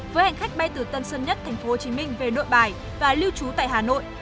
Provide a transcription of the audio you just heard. với hành khách bay từ tân sân nhất thành phố hồ chí minh về nội bài và lưu trú tại hà nội